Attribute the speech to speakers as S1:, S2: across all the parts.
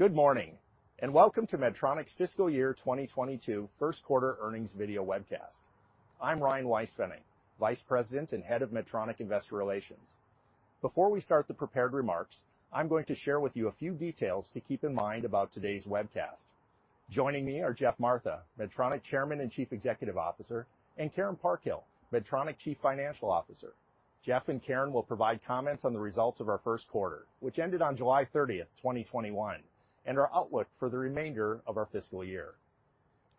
S1: Good morning, and welcome to Medtronic's fiscal year 2022 first quarter earnings video webcast. I'm Ryan Weispfenning, Vice President and Head of Medtronic Investor Relations. Before we start the prepared remarks, I'm going to share with you a few details to keep in mind about today's webcast. Joining me are Geoff Martha, Medtronic Chairman and Chief Executive Officer, and Karen Parkhill, Medtronic Chief Financial Officer. Geoff and Karen will provide comments on the results of our first quarter, which ended on July 30th, 2021, and our outlook for the remainder of our fiscal year.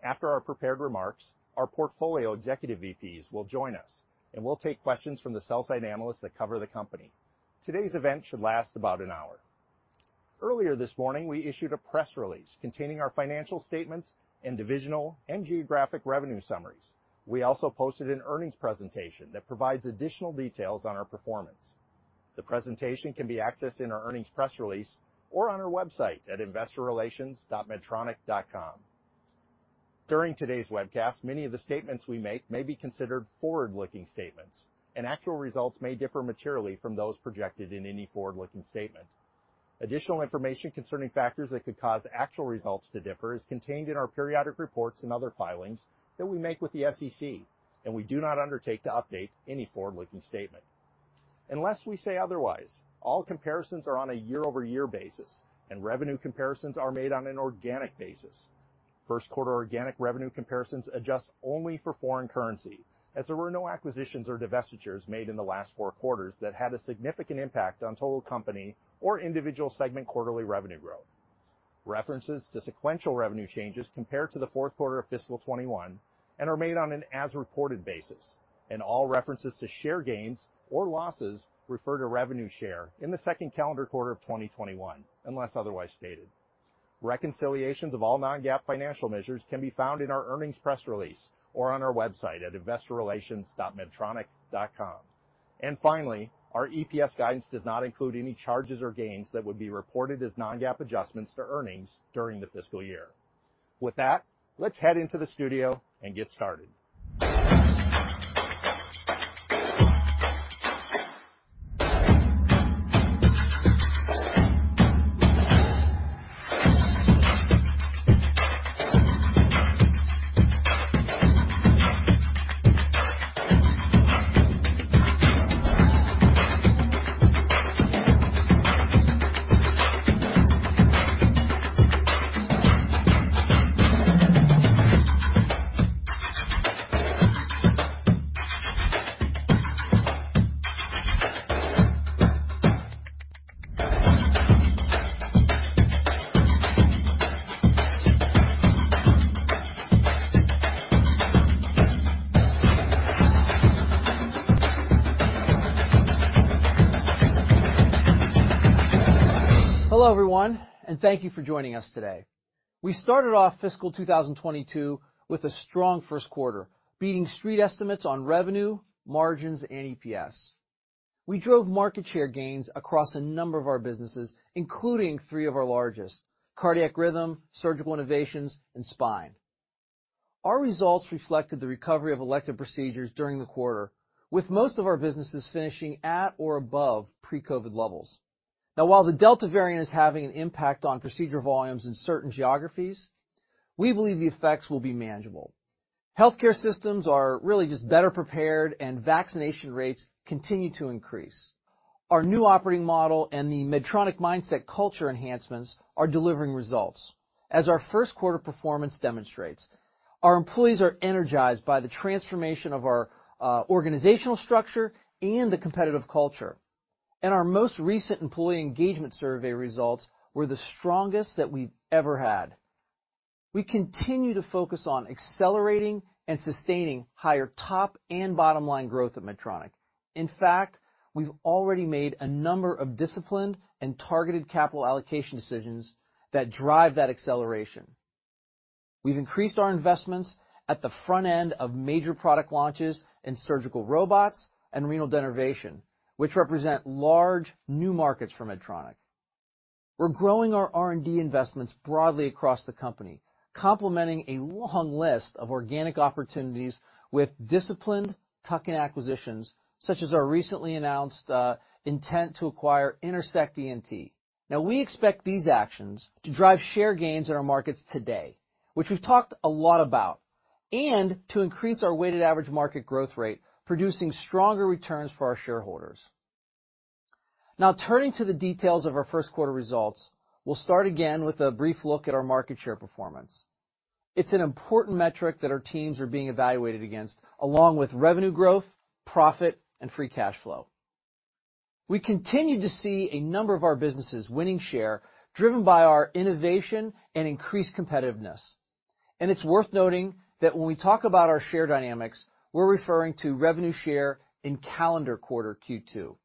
S1: After our prepared remarks, our portfolio Executive VPs will join us, and we'll take questions from the sell-side analysts that cover the company. Today's event should last about an hour. Earlier this morning, we issued a press release containing our financial statements and divisional and geographic revenue summaries. We also posted an earnings presentation that provides additional details on our performance. The presentation can be accessed in our earnings press release or on our website at investorrelations.medtronic.com. During today's webcast, many of the statements we make may be considered forward-looking statements. Actual results may differ materially from those projected in any forward-looking statement. Additional information concerning factors that could cause actual results to differ is contained in our periodic reports and other filings that we make with the Securities and Exchange Commission. We do not undertake to update any forward-looking statement. Unless we say otherwise, all comparisons are on a year-over-year basis. Revenue comparisons are made on an organic basis. First quarter organic revenue comparisons adjust only for foreign currency, as there were no acquisitions or divestitures made in the last four quarters that had a significant impact on total company or individual segment quarterly revenue growth. References to sequential revenue changes compare to the fourth quarter of fiscal 2021 and are made on an as reported basis. All references to share gains or losses refer to revenue share in the second calendar quarter of 2021, unless otherwise stated. Reconciliations of all non-GAAP financial measures can be found in our earnings press release or on our website at investorrelations.medtronic.com. Finally, our EPS guidance does not include any charges or gains that would be reported as non-GAAP adjustments to earnings during the fiscal year. With that, let's head into the studio and get started.
S2: Hello, everyone, and thank you for joining us today. We started off fiscal 2022 with a strong first quarter, beating street estimates on revenue, margins, and Earnings per Share. We drove market share gains across a number of our businesses, including three of our largest, Cardiac Rhythm, Surgical Innovations, and Spine. Our results reflected the recovery of elective procedures during the quarter, with most of our businesses finishing at or above pre-COVID levels. Now, while the Delta variant is having an impact on procedure volumes in certain geographies, we believe the effects will be manageable. Healthcare systems are really just better prepared and vaccination rates continue to increase. Our new operating model and the Medtronic Mindset culture enhancements are delivering results, as our first quarter performance demonstrates. Our employees are energized by the transformation of our organizational structure and the competitive culture. Our most recent employee engagement survey results were the strongest that we've ever had. We continue to focus on accelerating and sustaining higher top and bottom-line growth at Medtronic. In fact, we've already made a number of disciplined and targeted capital allocation decisions that drive that acceleration. We've increased our investments at the front end of major product launches in surgical robots and renal denervation, which represent large new markets for Medtronic. We're growing our R&D investments broadly across the company, complementing a long list of organic opportunities with disciplined tuck-in acquisitions, such as our recently announced intent to acquire Intersect Ear, Nose, and Throat. We expect these actions to drive share gains in our markets today, which we've talked a lot about, and to increase our weighted average market growth rate, producing stronger returns for our shareholders. Turning to the details of our first quarter results, we'll start again with a brief look at our market share performance. It's an important metric that our teams are being evaluated against, along with revenue growth, profit, and free cash flow. We continue to see a number of our businesses winning share, driven by our innovation and increased competitiveness. It's worth noting that when we talk about our share dynamics, we're referring to revenue share in calendar quarter Q2.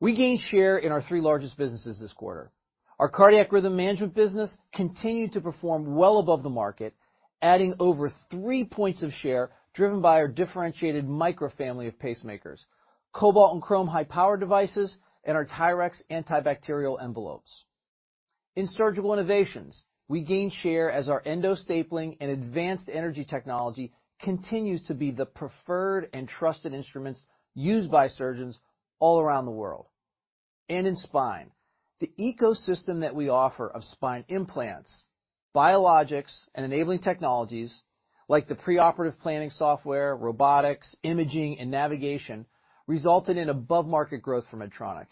S2: We gained share in our three largest businesses this quarter. Our Cardiac Rhythm Management business continued to perform well above the market, adding over 3 points of share, driven by our differentiated Micra family of pacemakers, Cobalt and Crome high-power devices, and our TYRX antibacterial envelopes. In Surgical Innovations, we gain share as our endostapling and advanced energy technology continues to be the preferred and trusted instruments used by surgeons all around the world. In Spine, the ecosystem that we offer of spine implants, biologics, and enabling technologies like the preoperative planning software, robotics, imaging, and navigation, resulted in above-market growth for Medtronic.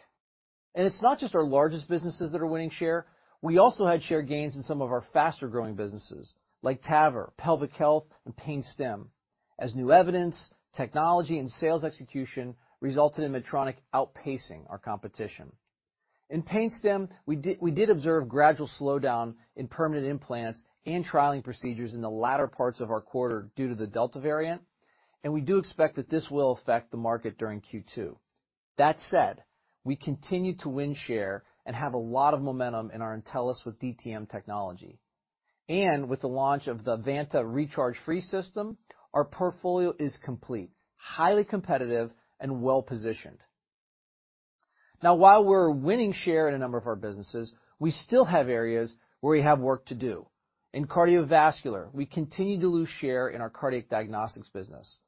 S2: It's not just our largest businesses that are winning share. We also had share gains in some of our faster-growing businesses like Transcatheter Aortic Valve Replacement, Pelvic Health, and Pain Stim, as new evidence, technology, and sales execution resulted in Medtronic outpacing our competition. In Pain Stim, we did observe gradual slowdown in permanent implants and trialing procedures in the latter parts of our quarter due to the Delta variant. We do expect that this will affect the market during Q2. That said, we continue to win share and have a lot of momentum in our Intellis with Differential Target Multiplexed technology. With the launch of the Vanta Recharge-Free System, our portfolio is complete, highly competitive, and well-positioned. Now, while we're winning share in a number of our businesses, we still have areas where we have work to do. In cardiovascular, we continue to lose share in our cardiac diagnostics business.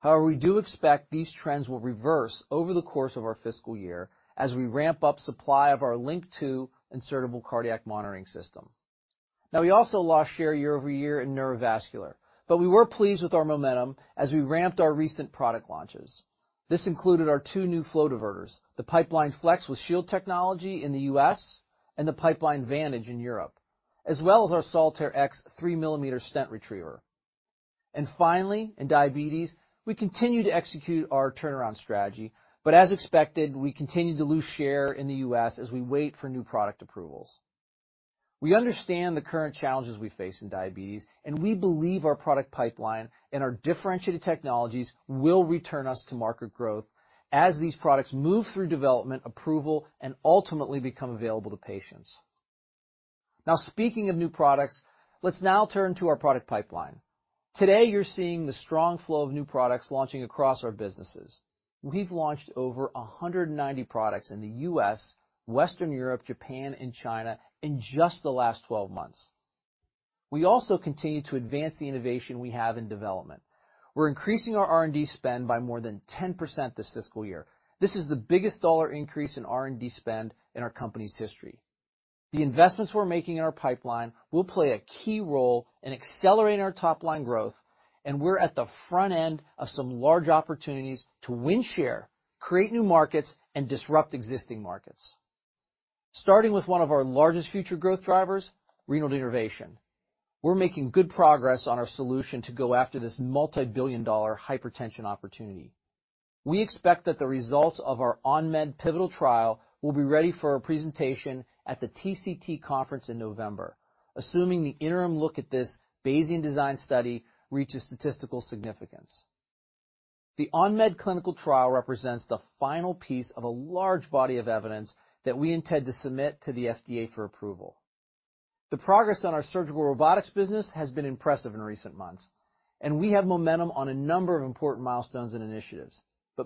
S2: However, we do expect these trends will reverse over the course of our fiscal year as we ramp up supply of our LINQ II insertable cardiac monitoring system. We also lost share year-over-year in neurovascular, but we were pleased with our momentum as we ramped our recent product launches. This included our two new flow diverters, the Pipeline Flex with Shield Technology in the U.S., and the Pipeline Vantage in Europe, as well as our Solitaire X 3-millimeter stent retriever. Finally, in diabetes, we continue to execute our turnaround strategy, but as expected, we continue to lose share in the U.S. as we wait for new product approvals. We understand the current challenges we face in diabetes, and we believe our product pipeline and our differentiated technologies will return us to market growth as these products move through development, approval, and ultimately become available to patients. Speaking of new products, let's now turn to our product pipeline. Today, you're seeing the strong flow of new products launching across our businesses. We've launched over 190 products in the U.S., Western Europe, Japan, and China in just the last 12 months. We also continue to advance the innovation we have in development. We're increasing our R&D spend by more than 10% this fiscal year. This is the biggest dollar increase in R&D spend in our company's history. The investments we're making in our pipeline will play a key role in accelerating our top-line growth, and we're at the front end of some large opportunities to win share, create new markets, and disrupt existing markets. Starting with one of our largest future growth drivers, renal denervation. We're making good progress on our solution to go after this multi-billion dollar hypertension opportunity. We expect that the results of our ONMED pivotal trial will be ready for a presentation at the Transcatheter Cardiovascular Therapeutics conference in November, assuming the interim look at this Bayesian design study reaches statistical significance. The ONMED clinical trial represents the final piece of a large body of evidence that we intend to submit to the Food and Drug Administration for approval.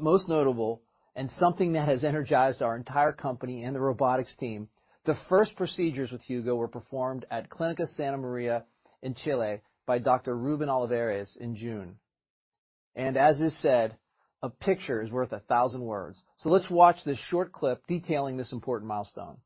S2: Most notable, and something that has energized our entire company and the robotics team, the first procedures with Hugo were performed at Clínica Santa María in Chile by Dr. Ruben Olivares in June. As is said, a picture is worth a 1,000 words. Let's watch this short clip detailing this important milestone.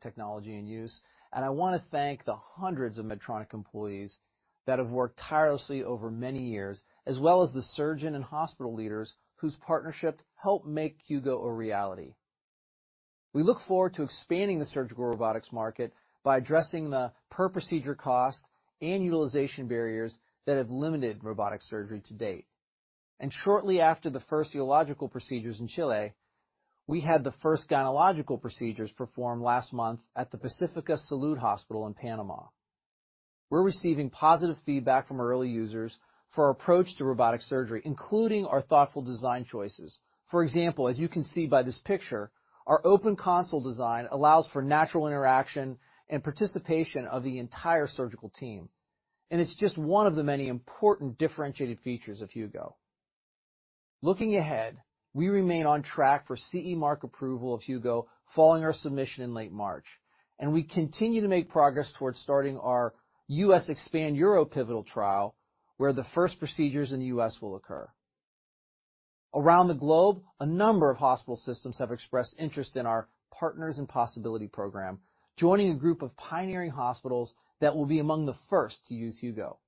S2: It's truly amazing to see our robotic technology in use, and I want to thank the hundreds of Medtronic employees that have worked tirelessly over many years, as well as the surgeon and hospital leaders whose partnership helped make Hugo a reality. We look forward to expanding the surgical robotics market by addressing the per-procedure cost and utilization barriers that have limited robotic surgery to date. Shortly after the first urological procedures in Chile, we had the first gynecological procedures performed last month at the Pacífica Salud Hospital in Panama. We're receiving positive feedback from our early users for our approach to robotic surgery, including our thoughtful design choices. For example, as you can see by this picture, our open console design allows for natural interaction and participation of the entire surgical team, and it's just one of the many important differentiated features of Hugo. Looking ahead, we remain on track for CE Mark approval of Hugo following our submission in late March. We continue to make progress towards starting our U.S. Expand URO pivotal trial, where the first procedures in the U.S. will occur. Around the globe, a number of hospital systems have expressed interest in our Partners in Possibility program, joining a group of pioneering hospitals that will be among the first to use Hugo.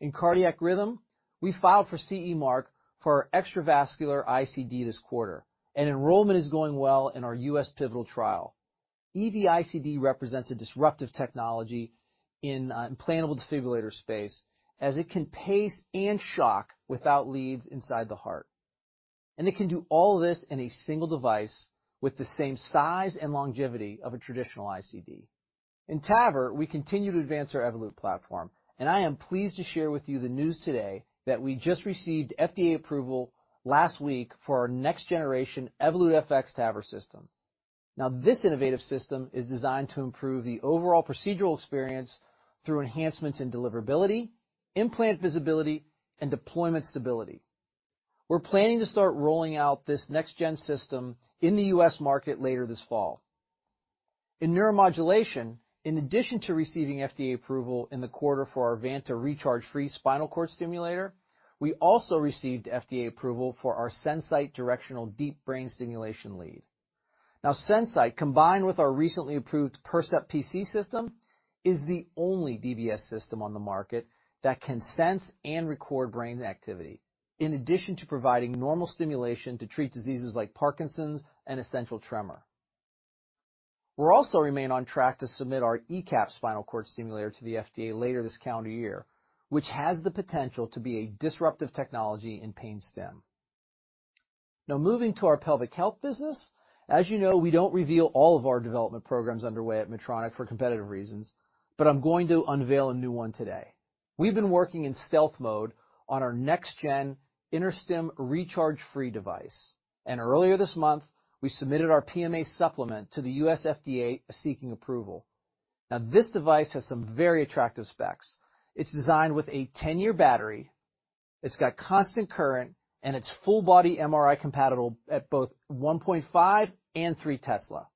S2: In cardiac rhythm, we filed for CE Mark for our extravascular Implantable Cardioverter Defibrillators this quarter. Enrollment is going well in our U.S. pivotal trial. Extravascular Implantable Cardioverter Defibrillator represents a disruptive technology in implantable defibrillator space as it can pace and shock without leads inside the heart. It can do all this in a single device with the same size and longevity of a traditional ICD. In TAVR, we continue to advance our Evolut platform. I am pleased to share with you the news today that we just received FDA approval last week for our next generation Evolut FX TAVR system. This innovative system is designed to improve the overall procedural experience through enhancements in deliverability, implant visibility, and deployment stability. We're planning to start rolling out this next-gen system in the U.S. market later this fall. In neuromodulation, in addition to receiving FDA approval in the quarter for our Vanta recharge-free Spinal Cord Stimulator, we also received FDA approval for our SenSight directional deep brain stimulation lead. SenSight, combined with our recently approved Percept Primary Cell system, is the only Deep Brain Stimulation system on the market that can sense and record brain activity in addition to providing normal stimulation to treat diseases like Parkinson's and essential tremor. We'll also remain on track to submit our Evoked Compound Action Potential spinal cord stimulator to the FDA later this calendar year, which has the potential to be a disruptive technology in Pain Stim. Moving to our Pelvic Health business, as you know, we don't reveal all of our development programs underway at Medtronic for competitive reasons, but I'm going to unveil a new one today. We've been working in stealth mode on our next gen InterStim recharge-free device, and earlier this month, we submitted our PMA supplement to the U.S. FDA seeking approval. This device has some very attractive specs. It's designed with a 10-year battery, it's got constant current, and it's full body Magnetic Resonance Imaging compatible at both 1.5 and three Tesla.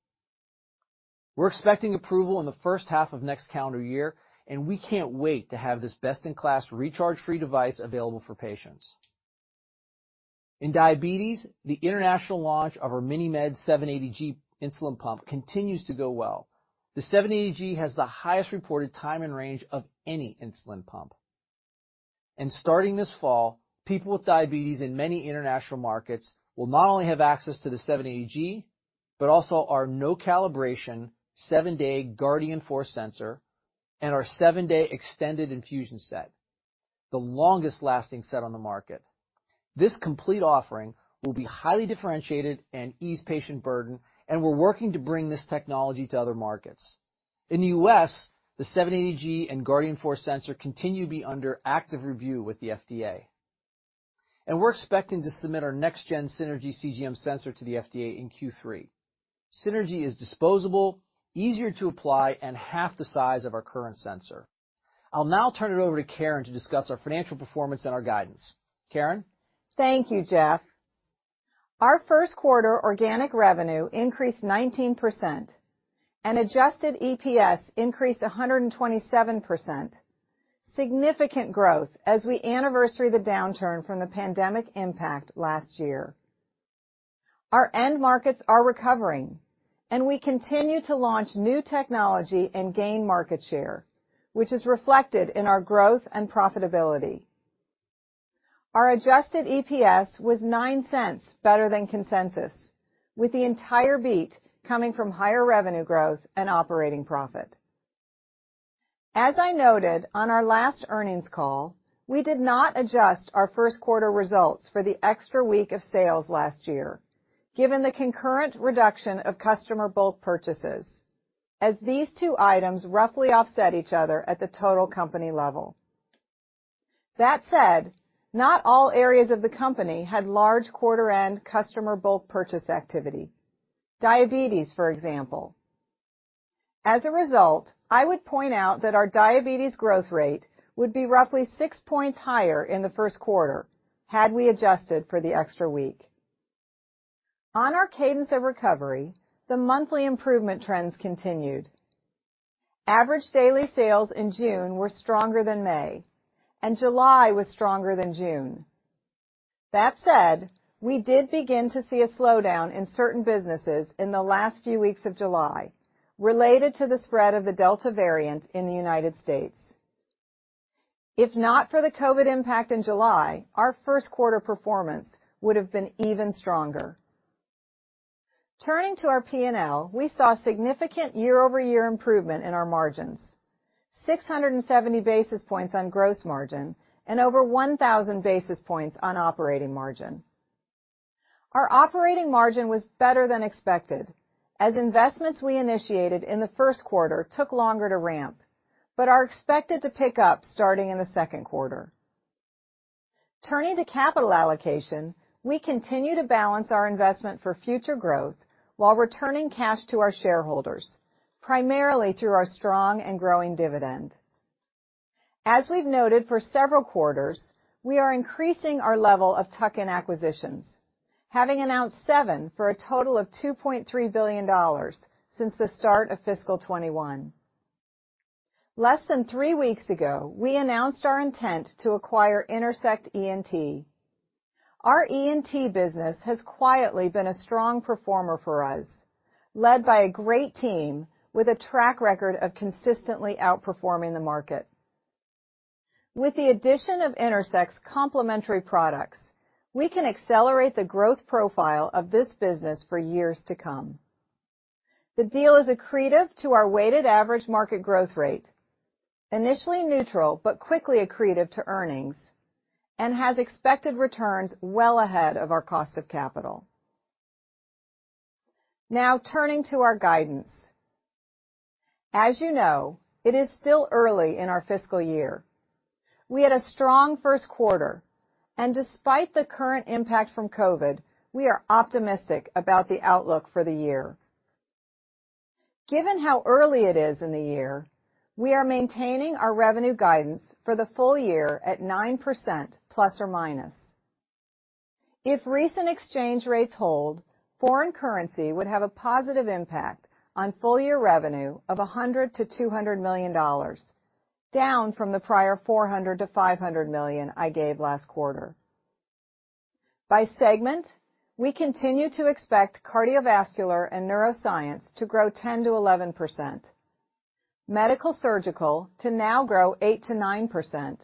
S2: We're expecting approval in the first half of next calendar year, and we can't wait to have this best-in-class recharge-free device available for patients. In diabetes, the international launch of our MiniMed 780G insulin pump continues to go well. The 780G has the highest reported time and range of any insulin pump. Starting this fall, people with diabetes in many international markets will not only have access to the 780G, but also our no-calibration, 7-day Guardian 4 sensor and our 7-day extended infusion set, the longest lasting set on the market. This complete offering will be highly differentiated and ease patient burden, and we're working to bring this technology to other markets. In the U.S., the 780G and Guardian 4 sensor continue to be under active review with the FDA. We're expecting to submit our next-gen Synergy Continuous Glucose Monitoring sensor to the FDA in Q3. Synergy is disposable, easier to apply, and half the size of our current sensor. I'll now turn it over to Karen to discuss our financial performance and our guidance. Karen Parkhill?
S3: Thank you, Geoff. Our first quarter organic revenue increased 19% and Adjusted EPS increased 127%, significant growth as we anniversary the downturn from the pandemic impact last year. Our end markets are recovering, and we continue to launch new technology and gain market share, which is reflected in our growth and profitability. Our Adjusted EPS was $0.09 better than consensus, with the entire beat coming from higher revenue growth and operating profit. As I noted on our last earnings call, we did not adjust our first quarter results for the extra week of sales last year, given the concurrent reduction of customer bulk purchases, as these two items roughly offset each other at the total company level. That said, not all areas of the company had large quarter end customer bulk purchase activity. Diabetes, for example. As a result, I would point out that our diabetes growth rate would be roughly six points higher in the first quarter had we adjusted for the extra week. On our cadence of recovery, the monthly improvement trends continued. Average daily sales in June were stronger than May, and July was stronger than June. That said, we did begin to see a slowdown in certain businesses in the last few weeks of July related to the spread of the Delta variant in the United States. If not for the COVID impact in July, our first quarter performance would've been even stronger. Turning to our P&L, we saw significant year-over-year improvement in our margins, 670 basis points on gross margin and over 1,000 basis points on operating margin. Our operating margin was better than expected as investments we initiated in the first quarter took longer to ramp but are expected to pick up starting in the second quarter. Turning to capital allocation, we continue to balance our investment for future growth while returning cash to our shareholders, primarily through our strong and growing dividend. As we've noted for several quarters, we are increasing our level of tuck-in acquisitions, having announced seven for a total of $2.3 billion since the start of fiscal 2021. Less than three weeks ago, we announced our intent to acquire Intersect ENT. Our ENT business has quietly been a strong performer for us, led by a great team with a track record of consistently outperforming the market. With the addition of Intersect's complementary products, we can accelerate the growth profile of this business for years to come. The deal is accretive to our weighted average market growth rate, initially neutral, but quickly accretive to earnings, and has expected returns well ahead of our cost of capital. Turning to our guidance. As you know, it is still early in our fiscal year. We had a strong first quarter, and despite the current impact from COVID, we are optimistic about the outlook for the year. Given how early it is in the year, we are maintaining our revenue guidance for the full year at ±9%. If recent exchange rates hold, foreign currency would have a positive impact on full-year revenue of $100 million-$200 million, down from the prior $400 million-$500 million I gave last quarter. By segment, we continue to expect Cardiovascular and Neuroscience to grow 10%-11%, Medical Surgical to now grow 8%-9%,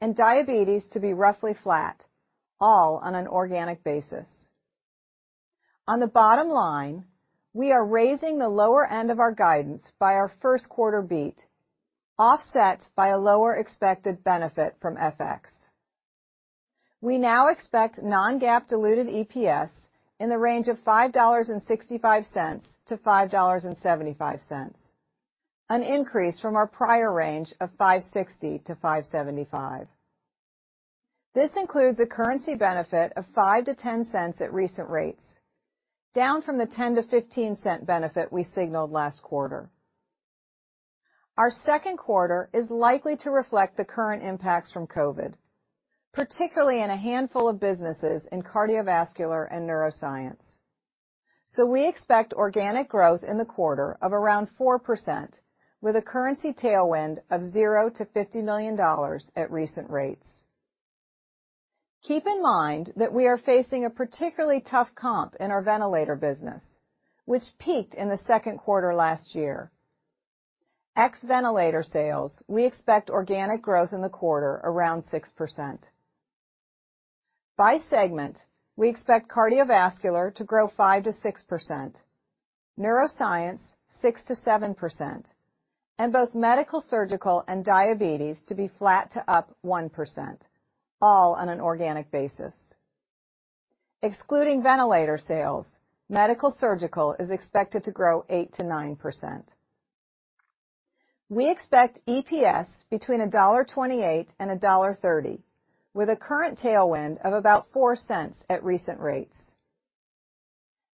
S3: and Diabetes to be roughly flat, all on an organic basis. On the bottom line, we are raising the lower end of our guidance by our first quarter beat, offset by a lower expected benefit from FX. We now expect non-GAAP Diluted EPS in the range of $5.65-$5.75, an increase from our prior range of $5.60-$5.75. This includes a currency benefit of $0.05-$0.10 at recent rates, down from the $0.10-$0.15 benefit we signaled last quarter. Our second quarter is likely to reflect the current impacts from COVID, particularly in a handful of businesses in Cardiovascular and Neuroscience. We expect organic growth in the quarter of around 4%, with a currency tailwind of $0-$50 million at recent rates. Keep in mind that we are facing a particularly tough comp in our ventilator business, which peaked in the second quarter last year. Ex ventilator sales, we expect organic growth in the quarter around 6%. By segment, we expect Cardiovascular to grow 5%-6%, Neuroscience 6%-7%, and both Medical Surgical and Diabetes to be flat to up 1%, all on an organic basis. Excluding ventilator sales, Medical Surgical is expected to grow 8%-9%. We expect EPS between $1.28 and $1.30, with a current tailwind of about $0.04 at recent rates.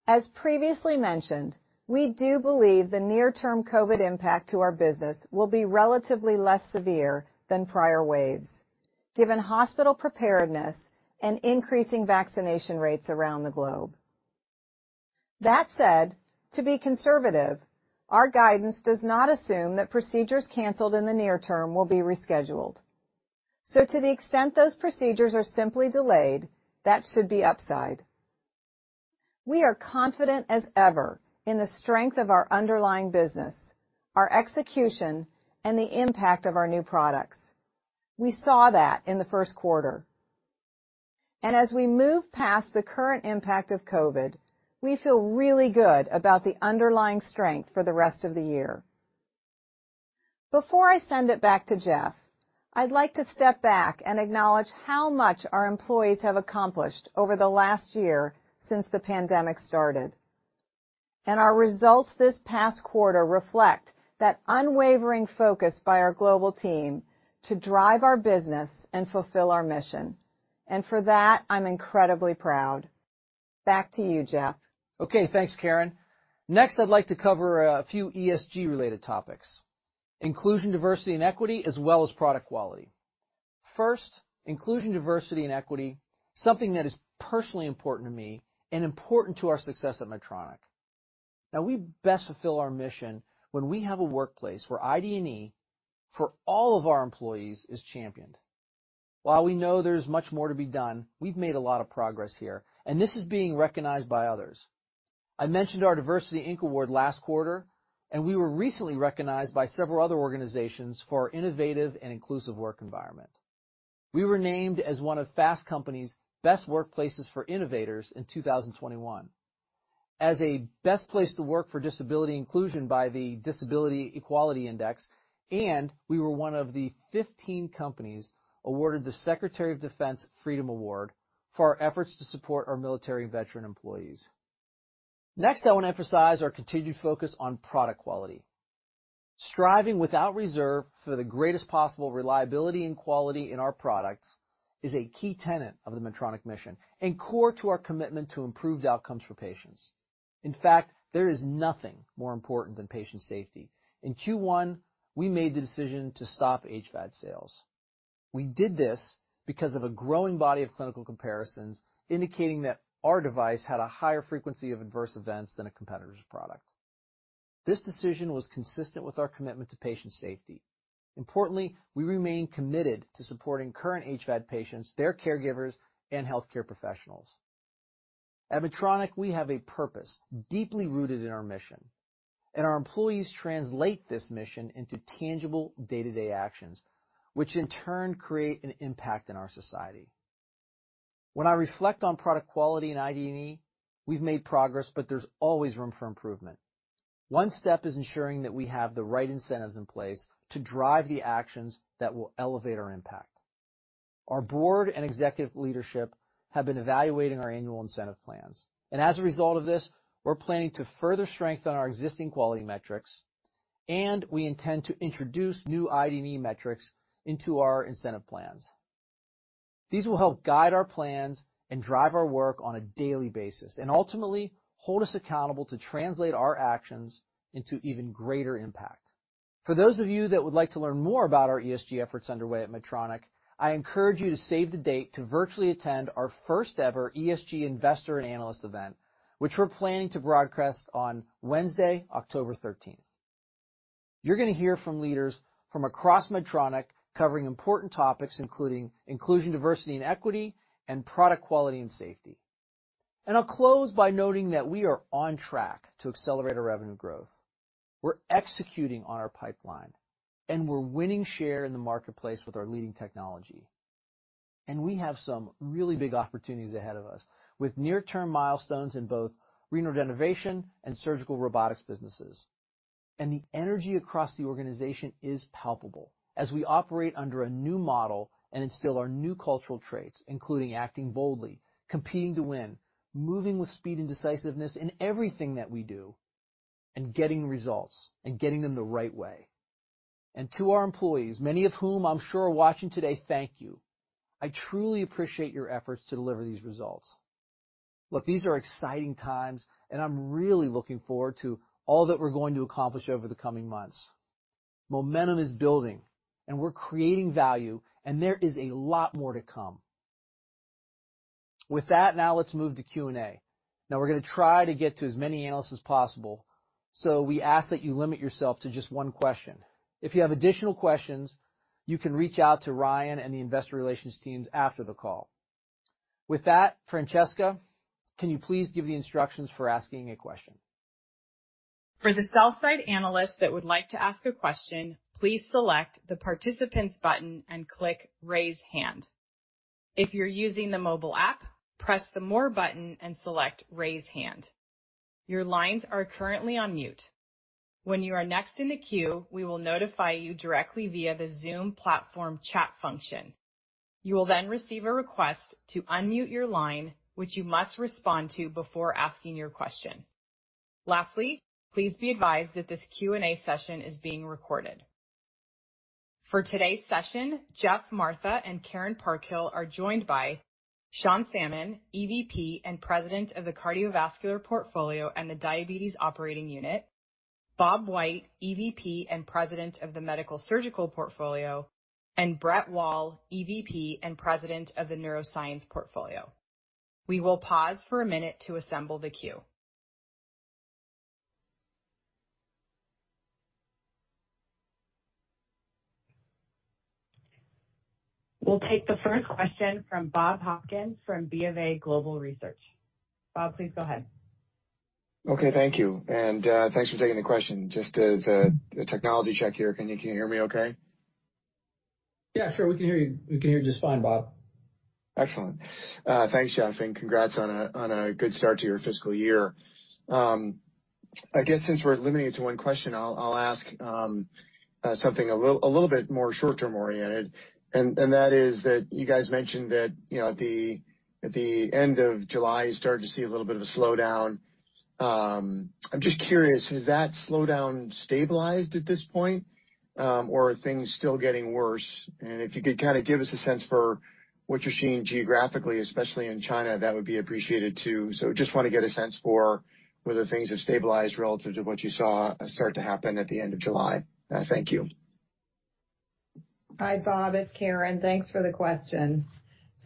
S3: As previously mentioned, we do believe the near-term COVID impact to our business will be relatively less severe than prior waves, given hospital preparedness and increasing vaccination rates around the globe. That said, to be conservative, our guidance does not assume that procedures canceled in the near term will be rescheduled. To the extent those procedures are simply delayed, that should be upside. We are confident as ever in the strength of our underlying business, our execution, and the impact of our new products. We saw that in the first quarter. As we move past the current impact of COVID, we feel really good about the underlying strength for the rest of the year. Before I send it back to Geoff, I'd like to step back and acknowledge how much our employees have accomplished over the last year since the pandemic started. Our results this past quarter reflect that unwavering focus by our global team to drive our business and fulfill our mission. For that, I'm incredibly proud. Back to you, Geoff.
S2: Okay. Thanks, Karen. Next, I'd like to cover a few ESG-related topics. Inclusion, diversity, and equity, as well as product quality. First, inclusion, diversity, and equity, something that is personally important to me and important to our success at Medtronic. Now, we best fulfill our mission when we have a workplace where Inclusion, Diversity & Equity for all of our employees is championed. While we know there's much more to be done, we've made a lot of progress here, and this is being recognized by others. I mentioned our DiversityInc award last quarter, and we were recently recognized by several other organizations for our innovative and inclusive work environment. We were named as one of Fast Company's Best Workplaces for Innovators in 2021, as a Best Place to Work for Disability Inclusion by the Disability Equality Index, and we were one of the 15 companies awarded the Secretary of Defense Freedom Award for our efforts to support our military and veteran employees. Next, I want to emphasize our continued focus on product quality. Striving without reserve for the greatest possible reliability and quality in our products is a key tenet of the Medtronic mission and core to our commitment to improved outcomes for patients. In fact, there is nothing more important than patient safety. In Q1, we made the decision to stop HeartWare Ventricular Assist Device sales. We did this because of a growing body of clinical comparisons indicating that our device had a higher frequency of adverse events than a competitor's product. This decision was consistent with our commitment to patient safety. Importantly, we remain committed to supporting current HVAD patients, their caregivers, and healthcare professionals. At Medtronic, we have a purpose deeply rooted in our mission. Our employees translate this mission into tangible day-to-day actions, which in turn create an impact in our society. When I reflect on product quality and ID&E, we've made progress, but there's always room for improvement. One step is ensuring that we have the right incentives in place to drive the actions that will elevate our impact. Our board and executive leadership have been evaluating our annual incentive plans. As a result of this, we're planning to further strengthen our existing quality metrics, and we intend to introduce new ID&E metrics into our incentive plans. These will help guide our plans and drive our work on a daily basis, and ultimately hold us accountable to translate our actions into even greater impact. For those of you that would like to learn more about our ESG efforts underway at Medtronic, I encourage you to save the date to virtually attend our first ever ESG investor and analyst event, which we're planning to broadcast on Wednesday, October 13th. You're going to hear from leaders from across Medtronic covering important topics including Inclusion, Diversity, and Equity and product quality and safety. I'll close by noting that we are on track to accelerate our revenue growth. We're executing on our pipeline, we're winning share in the marketplace with our leading technology. We have some really big opportunities ahead of us with near-term milestones in both renal denervation and surgical robotics businesses. The energy across the organization is palpable as we operate under a new model and instill our new cultural traits, including acting boldly, competing to win, moving with speed and decisiveness in everything that we do, and getting results and getting them the right way. To our employees, many of whom I'm sure are watching today, thank you. I truly appreciate your efforts to deliver these results. Look, these are exciting times, and I'm really looking forward to all that we're going to accomplish over the coming months. Momentum is building, and we're creating value, and there is a lot more to come. With that, now let's move to Q&A. We're going to try to get to as many analysts as possible. We ask that you limit yourself to just one question. If you have additional questions, you can reach out to Ryan and the investor relations teams after the call. With that, Francesca, can you please give the instructions for asking a question?
S4: For the sell-side analysts that would like to ask a question, please select the Participants button and click Raise Hand. If you're using the mobile app, press the More button and select Raise Hand. Your lines are currently on mute. When you are next in the queue, we will notify you directly via the Zoom platform chat function. You will receive a request to unmute your line, which you must respond to before asking your question. Lastly, please be advised that this Q&A session is being recorded. For today's session, Geoff Martha and Karen Parkhill are joined by Sean Salmon, EVP and President of the Cardiovascular Portfolio and the Diabetes Operating Unit, Bob White, EVP and President of the Medical Surgical Portfolio, and Brett Wall, EVP and President of the Neuroscience Portfolio. We will pause for a minute to assemble the queue. We'll take the first question from Bob Hopkins from Bank of America. Bob, please go ahead.
S5: Okay. Thank you. Thanks for taking the question. Just as a technology check here. Can you hear me okay?
S2: Yeah, sure. We can hear you. We can hear you just fine, Bob.
S5: Excellent. Thanks, Geoff, congrats on a good start to your fiscal year. I guess since we're limited to one question, I'll ask something a little bit more short-term oriented, and that is that you guys mentioned that at the end of July, you started to see a little bit of a slowdown. I'm just curious, has that slowdown stabilized at this point? Are things still getting worse? If you could kind of give us a sense for what you're seeing geographically, especially in China, that would be appreciated too. Just want to get a sense for whether things have stabilized relative to what you saw start to happen at the end of July. Thank you.
S3: Hi, Bob. It's Karen. Thanks for the question.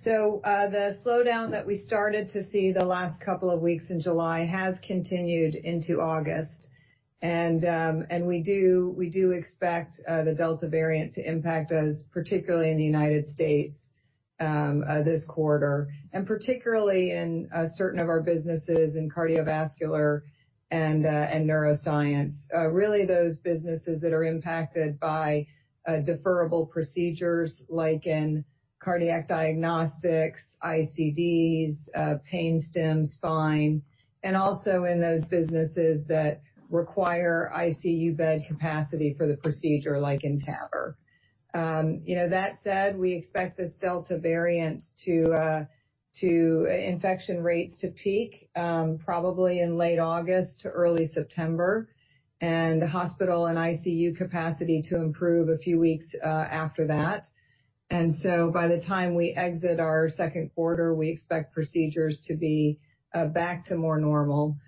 S3: The slowdown that we started to see the last couple of weeks in July has continued into August. We do expect the Delta variant to impact us, particularly in the U.S., this quarter, and particularly in certain of our businesses in cardiovascular and neuroscience. Really those businesses that are impacted by deferrable procedures like in cardiac diagnostics, ICDs, Pain Stim, Spine, and also in those businesses that require ICU bed capacity for the procedure, like in TAVR. That said, we expect this Delta variant to infection rates to peak, probably in late August to early, and the hospital and ICU capacity to improve a few weeks after that. By the time we exit our second quarter, we expect procedures to be back to more normal.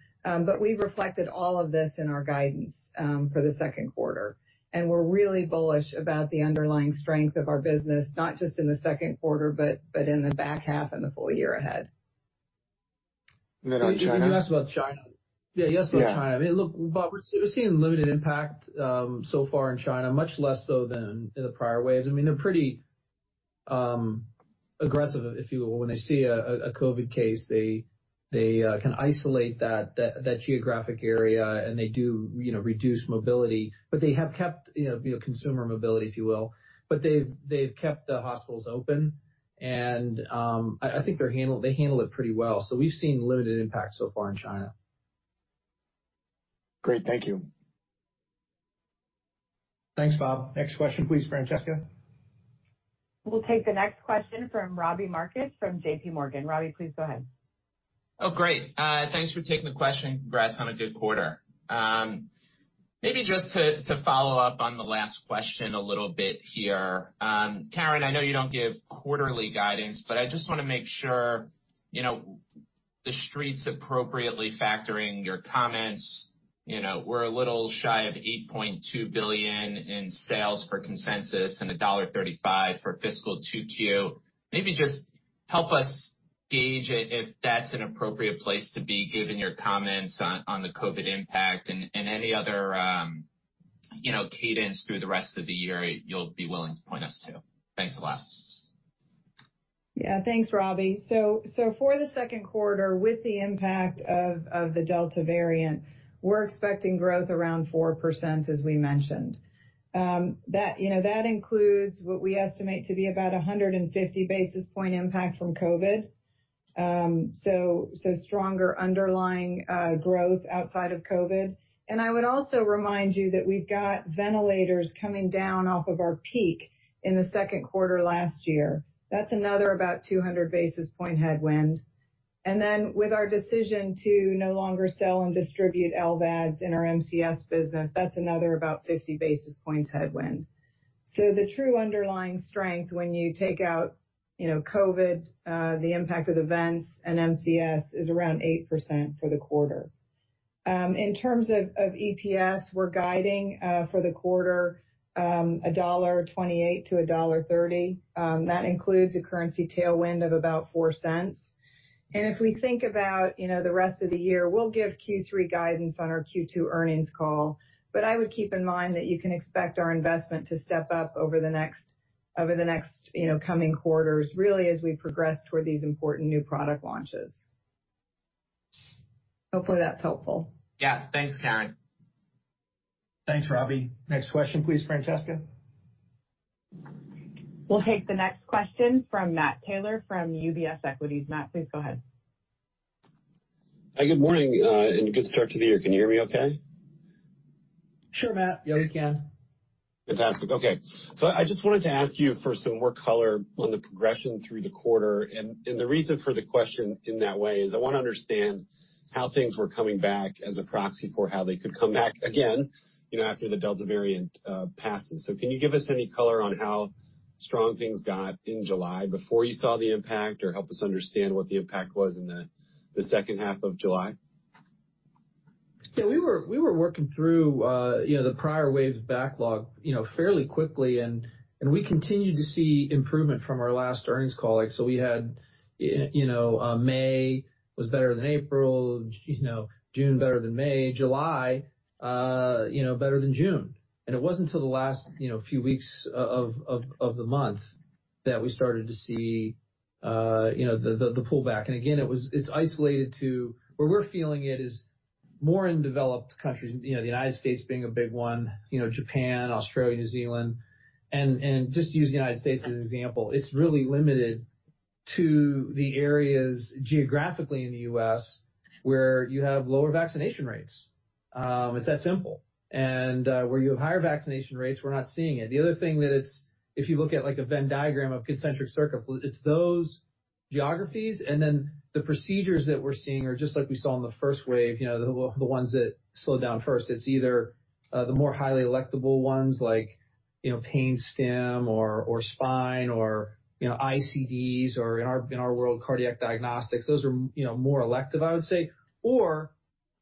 S3: We've reflected all of this in our guidance for the second quarter, and we're really bullish about the underlying strength of our business, not just in the second quarter, but in the back half and the full year ahead.
S5: Then on China?
S2: [audio ditortion] Yeah, he asked about China.
S5: Yeah.
S2: Look, Bob, we're seeing limited impact so far in China, much less so than in the prior waves. They're pretty aggressive, if you will. When they see a COVID case, they can isolate that geographic area, and they do reduce mobility. They have kept consumer mobility, if you will. They've kept the hospitals open, and I think they handle it pretty well. We've seen limited impact so far in China.
S5: Great. Thank you.
S1: Thanks, Bob. Next question, please, Francesca.
S6: We'll take the next question from Robbie Marcus from JPMorgan. Robbie, please go ahead.
S7: Great. Thanks for taking the question, and congrats on a good quarter. Maybe just to follow up on the last question a little bit here. Karen, I know you don't give quarterly guidance, but I just want to make sure the street's appropriately factoring your comments. We're a little shy of $8.2 billion in sales for consensus and $1.35 for fiscal 2Q. Maybe just help us gauge if that's an appropriate place to be given your comments on the COVID impact and any other cadence through the rest of the year you'll be willing to point us to. Thanks a lot.
S3: Thanks, Robbie. For the second quarter, with the impact of the Delta variant, we're expecting growth around 4%, as we mentioned. That includes what we estimate to be about 150 basis point impact from COVID. Stronger underlying growth outside of COVID. I would also remind you that we've got ventilators coming down off of our peak in the second quarter last year. That's another about 200 basis point headwind. With our decision to no longer sell and distribute Left Ventricular Assist Devices in our Mechanical Circulatory Support business, that's another about 50 basis points headwind. The true underlying strength when you take out COVID, the impact of the vents and MCS, is around 8% for the quarter. In terms of EPS, we're guiding for the quarter $1.28-$1.30. That includes a currency tailwind of about $0.04. If we think about the rest of the year, we'll give Q3 guidance on our Q2 earnings call. I would keep in mind that you can expect our investment to step up over the next coming quarters, really as we progress toward these important new product launches. Hopefully that's helpful.
S7: Yeah. Thanks, Karen.
S1: Thanks, Robbie. Next question please, Francesca.
S6: We'll take the next question from Matt Taylor from UBS. Matt, please go ahead.
S8: Hi, good morning, and good start to the year. Can you hear me okay?
S1: Sure, Matt. Yeah, we can.
S8: Fantastic. Okay. I just wanted to ask you for some more color on the progression through the quarter. The reason for the question in that way is I want to understand how things were coming back as a proxy for how they could come back again after the Delta variant passes. Can you give us any color on how strong things got in July before you saw the impact, or help us understand what the impact was in the second half of July?
S2: We were working through the prior waves backlog fairly quickly, and we continued to see improvement from our last earnings call. We had May was better than April, June better than May, July better than June. It wasn't till the last few weeks of the month that we started to see the pullback. Again, it's isolated to where we're feeling it is more in developed countries, the United States being a big one, Japan, Australia, New Zealand. Just use the United States as an example. It's really limited to the areas geographically in the U.S. where you have lower vaccination rates. It's that simple. Where you have higher vaccination rates, we're not seeing it. The other thing that if you look at like a Venn diagram of concentric circles, it's those geographies, the procedures that we're seeing are just like we saw in the first wave, the ones that slowed down first. It's either the more highly electable ones like Pain Stim or Spine or ICDs or, in our world, cardiac diagnostics. Those are more elective, I would say. Or,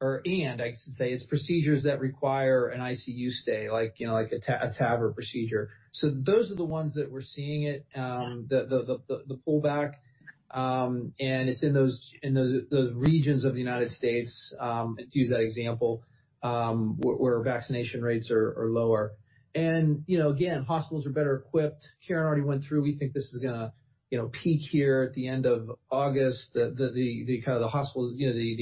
S2: it's procedures that require an ICU stay, like a TAVR procedure. Those are the ones that we're seeing it, the pullback. It's in those regions of the United States, to use that example, where vaccination rates are lower. Again, hospitals are better equipped. Karen already went through. We think this is going to peak here at the end of August, the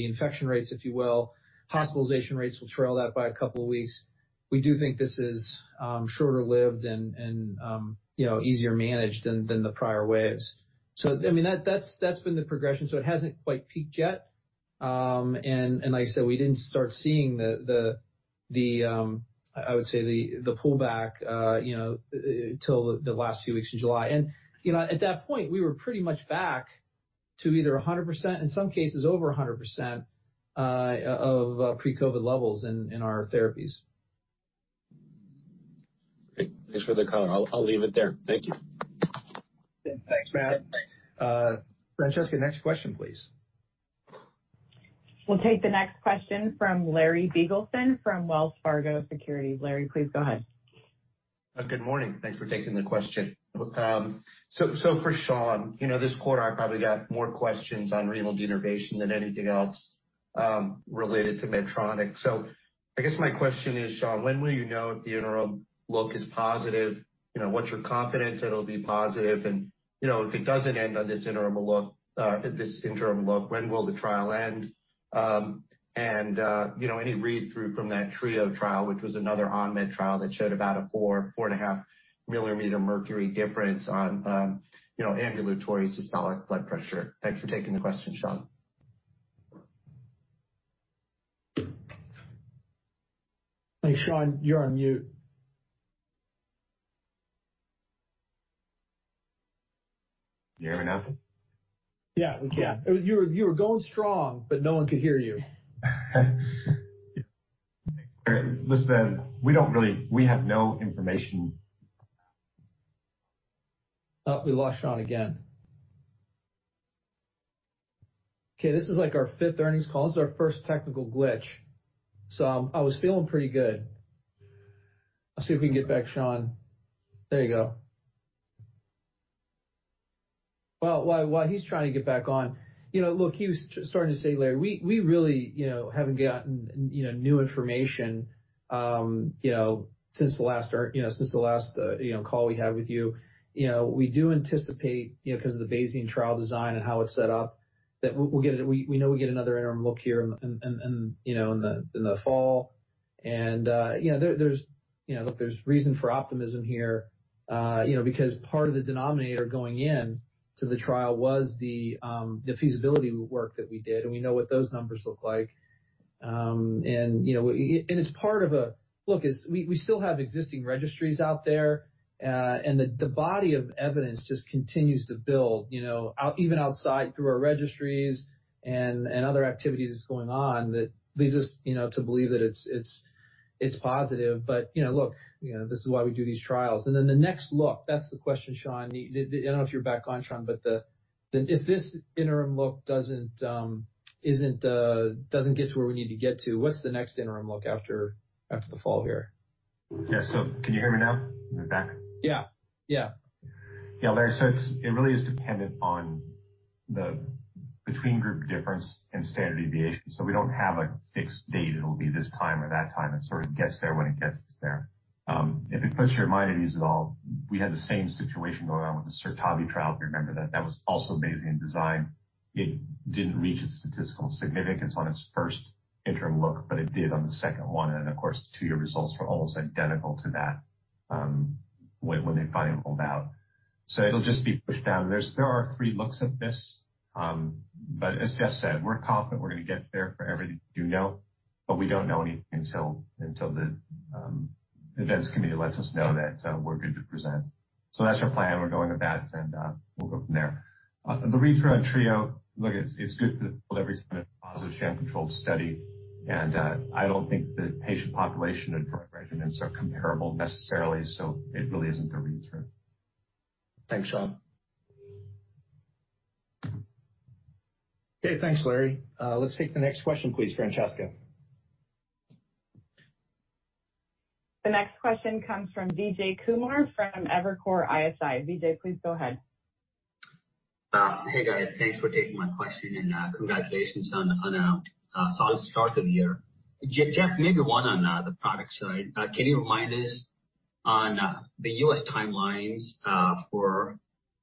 S2: infection rates, if you will. Hospitalization rates will trail that by a couple of weeks. We do think this is shorter-lived and easier managed than the prior waves. That's been the progression. It hasn't quite peaked yet. Like I said, we didn't start seeing the, I would say, the pullback until the last few weeks in July. At that point, we were pretty much back to either 100%, in some cases over 100%, of pre-COVID levels in our therapies.
S8: Great. Thanks for the color. I'll leave it there. Thank you.
S1: Thanks, Matt. Francesca, next question, please.
S6: We'll take the next question from Larry Biegelsen from Wells Fargo Securities. Larry, please go ahead.
S9: Good morning. Thanks for taking the question. For Sean, this quarter I probably got more questions on renal denervation than anything else related to Medtronic. I guess my question is, Sean, when will you know if the interim look is positive? Once you're confident it'll be positive and, if it doesn't end on this interim look, when will the trial end? Any read-through from that TRIO trial, which was another on-med trial that showed about a 4.5 mm mercury difference on ambulatory systolic blood pressure. Thanks for taking the question, Sean.
S2: Hey, Sean, you're on mute.
S10: Can you hear me now?
S2: Yeah, we can. You were going strong, but no one could hear you.
S10: Listen, we have no information.
S2: Oh, we lost Sean again. Okay, this is like our fifth earnings call. This is our first technical glitch. I was feeling pretty good. I'll see if we can get back Sean. There you go. While he's trying to get back on. Look, he was starting to say, Larry, we really haven't gotten new information since the last call we had with you. We do anticipate, because of the Bayesian trial design and how it's set up, that we know we get another interim look here in the fall. Look, there's reason for optimism here, because part of the denominator going in to the trial was the feasibility work that we did, and we know what those numbers look like. Look, we still have existing registries out there, and the body of evidence just continues to build, even outside through our registries and other activities going on that leads us to believe that it's positive. Look, this is why we do these trials. Then the next look, that's the question, Sean. I don't know if you're back on, Sean, but if this interim look doesn't get to where we need to get to, what's the next interim look after the fall here?
S10: Yeah. Can you hear me now? Am I back?
S2: Yeah.
S10: Yeah, Larry, it really is dependent on the between group difference and standard deviation. We don't have a fixed date. It'll be this time or that time. It sort of gets there when it gets there. If it puts your mind at ease at all, we had the same situation going on with the SURTAVI trial, if you remember, that was also Bayesian design. It didn't reach its statistical significance on its first interim look, it did on the second one. Of course, the two-year results were almost identical to that when they finally rolled out. It'll just be pushed down. There are three looks at this. As Geoff said, we're confident we're going to get there for everything we do know, we don't know anything until the events committee lets us know that we're good to present. That's our plan. We're going to bat and we'll go from there. The read-through on TRIO. Look, it's good for the [audio ditortion] positive sham controlled study, and I don't think the patient population and drug regimens are comparable necessarily, so it really isn't a read-through.
S9: Thanks, Sean.
S2: Okay. Thanks, Larry. Let's take the next question, please, Francesca.
S6: The next question comes from Vijay Kumar from Evercore ISI. Vijay, please go ahead.
S11: Hey, guys. Thanks for taking my question and congratulations on a solid start to the year. Geoff, maybe one on the product side. Can you remind us on the U.S. timelines for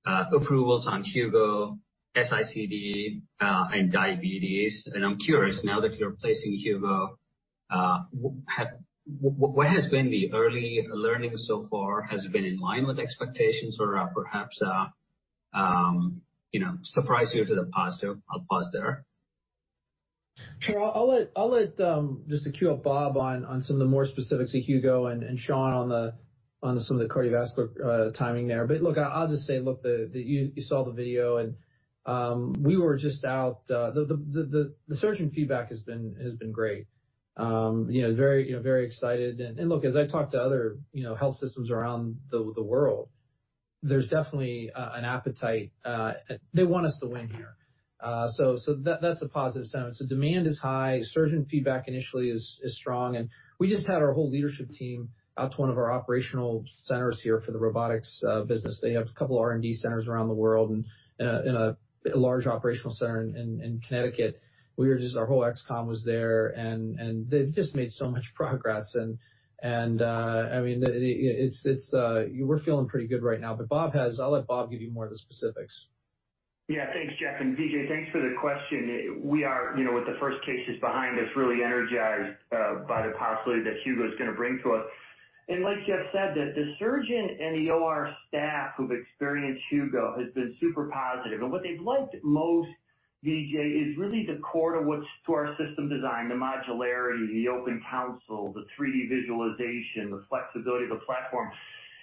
S11: approvals on Hugo, EV-ICD, and diabetes? I'm curious now that you're placing Hugo, what has been the early learning so far? Has it been in line with expectations or perhaps surprised you to the positive? I'll pause there.
S2: Sure. I'll just queue up Bob on some of the more specifics of Hugo and Sean on some of the cardiovascular timing there. Look, I'll just say, look, you saw the video and the surgeon feedback has been great. Very excited. Look, as I talk to other health systems around the world, there's definitely an appetite. They want us to win here. That's a positive sign. Demand is high. Surgeon feedback initially is strong, and we just had our whole leadership team out to one of our operational centers here for the robotics business. They have a couple R&D centers around the world and a large operational center in Connecticut. Our whole X team was there, and they've just made so much progress. We're feeling pretty good right now. I'll let Bob give you more of the specifics.
S12: Yeah. Thanks, Geoff, Vijay, thanks for the question. We are, with the first cases behind us, really energized by the possibility that Hugo's going to bring to us. Like Geoff said, the surgeon and the Operating Room staff who've experienced Hugo has been super positive. What they've liked most, Vijay, is really the core to our system design, the modularity, the open console, the 3D visualization, the flexibility of the platform.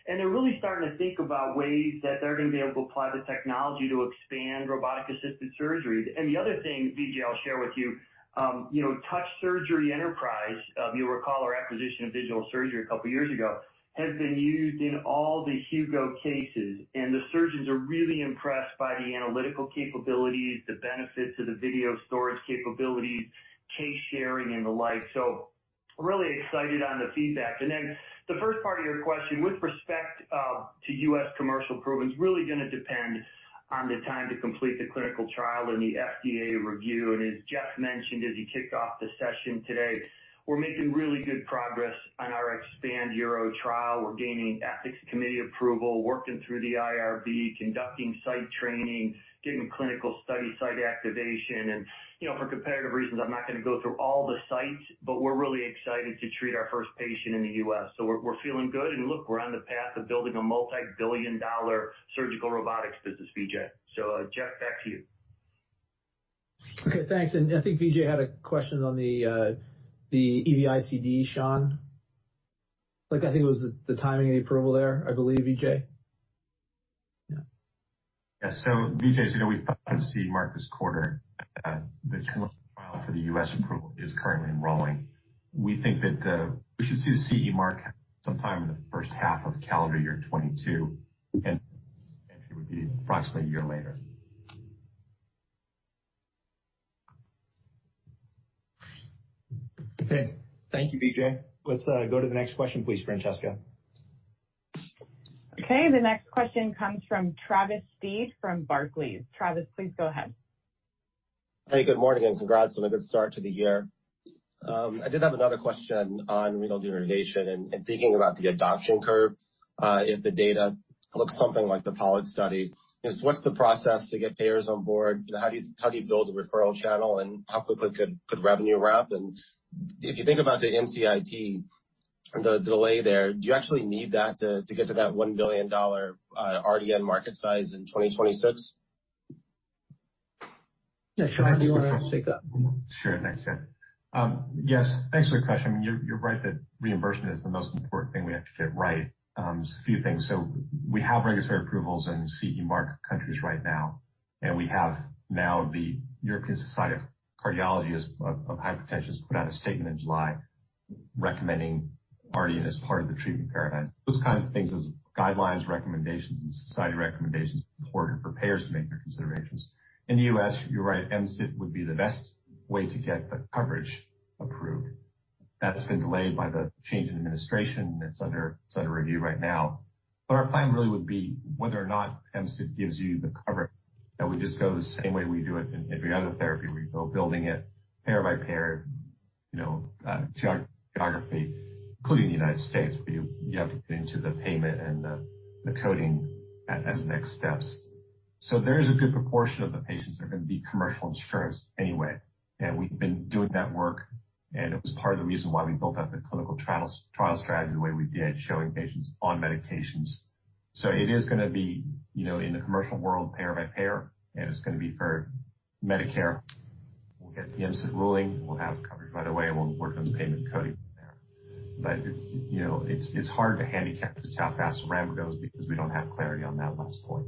S12: They're really starting to think about ways that they're going to be able to apply the technology to expand robotic-assisted surgery. The other thing, Vijay, I'll share with you, Touch Surgery Enterprise, you'll recall our acquisition of Digital Surgery a couple of years ago, has been used in all the Hugo cases. The surgeons are really impressed by the analytical capabilities, the benefits of the video storage capabilities, case sharing, and the like. Really excited on the feedback. Then the first part of your question, with respect to U.S. commercial programs, really going to depend on the time to complete the clinical trial and the FDA review. As Geoff Martha mentioned as he kicked off the session today, we're making really good progress on our Expand URO trial. We're gaining ethics committee approval, working through the Institutional Review Board, conducting site training, getting clinical study site activation. For competitive reasons, I'm not going to go through all the sites, but we're really excited to treat our first patient in the U.S. We're feeling good. Look, we're on the path of building a multi-billion dollar surgical robotics business, Vijay Kumar. Geoff Martha, back to you.
S1: Okay, thanks. I think Vijay had a question on the EV-ICD, Sean. I think it was the timing of the approval there, I believe, Vijay. Yeah.
S10: Yes. Vijay, as you know, we filed CE Mark this quarter. The clinical trial for the U.S. approval is currently enrolling. We think that we should see the CE Mark sometime in the first half of calendar year 2022, and entry would be approximately a year later.
S1: Okay. Thank you, Vijay. Let's go to the next question, please, Francesca.
S6: Okay, the next question comes from Travis Steed from Bank of America. Travis, please go ahead.
S13: Hey, good morning, and congrats on a good start to the year. I did have another question on renal denervation and thinking about the adoption curve. If the data looks something like the APOLLO study, just what's the process to get payers on board? How do you build a referral channel, and how quickly could revenue ramp? If you think about the Medicare Coverage of Innovative Technology and the delay there, do you actually need that to get to that $1 billion Renal Denervation market size in 2026?
S1: Yeah. Sean, do you want to take that?
S10: Sure. Thanks, Geoff. Thanks for the question. You're right that reimbursement is the most important thing we have to get right. Just a few things. We have regulatory approvals in CE Mark countries right now, and we have now the European Society of Cardiology/European Society of Hypertension has put out a statement in July recommending RDN as part of the treatment paradigm. Those kind of things as guidelines, recommendations, and society recommendations are important for payers to make their considerations. In the U.S., you're right, MCIT would be the best way to get the coverage approved. That's been delayed by the change in administration, and it's under review right now. Our plan really would be whether or not MCIT gives you the coverage, that we just go the same way we do it in every other therapy. We go building it payer by payer, geography, including the United States, where you have to get into the payment and the coding as the next steps. There is a good proportion of the patients that are going to be commercial insurance anyway, and we've been doing that work, and it was part of the reason why we built out the clinical trial strategy the way we did, showing patients on medications. It is going to be, in the commercial world, payer by payer, and it's going to be for Medicare. We'll get the MCIT ruling, we'll have coverage right away, and we'll work on the payment coding from there. It's hard to handicap just how fast the ramp goes because we don't have clarity on that last point.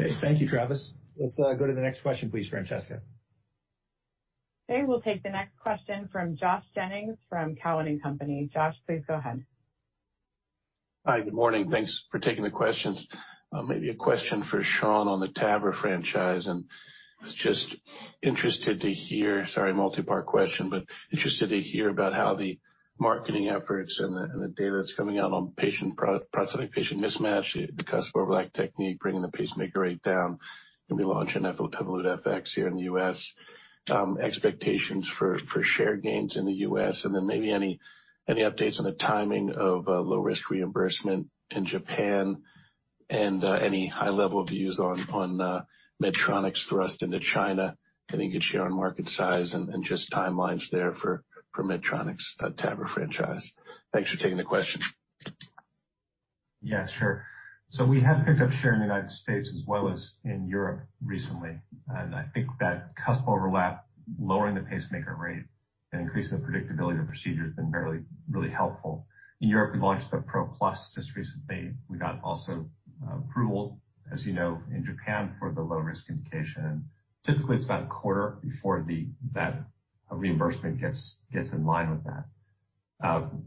S1: Okay. Thank you, Travis. Let's go to the next question, please, Francesca.
S6: Okay, we'll take the next question from Josh Jennings from TD Cowen. Josh, please go ahead.
S14: Hi. Good morning. Thanks for taking the questions. Maybe a question for Sean on the TAVR franchise. I was just interested to hear Sorry, multi-part question, but interested to hear about how the marketing efforts and the data that's coming out on patient product-specific, patient mismatch, the cuspal overlap technique, bringing the pacemaker rate down, going to be launching Evolut FX here in the U.S., expectations for share gains in the U.S., and then maybe any updates on the timing of low-risk reimbursement in Japan and any high-level views on Medtronic's thrust into China, getting good share on market size and just timelines there for Medtronic's TAVR franchise. Thanks for taking the question.
S10: Yeah, sure. We have picked up share in the United States as well as in Europe recently, and I think that cuspal overlap, lowering the pacemaker rate, and increasing the predictability of procedure has been really helpful. In Europe, we launched the Evolut PRO+ just recently. We got also approval, as you know, in Japan for the low-risk indication. Typically, it's about a quarter before that reimbursement gets in line with that.